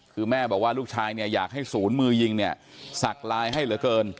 คือแม่บอกว่าลูกชายเนี่ยอยากให้ศูนย์มือยิงเนี่ยสักลายให้เหลือเกิน